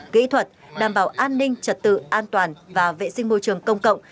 kỹ thuật đảm bảo an ninh trật tự an toàn và vệ sinh môi trường công cộng